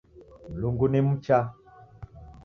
Mlungu ni mcha